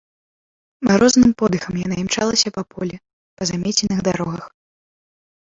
Марозным подыхам яна імчалася па полі, па замеценых дарогах.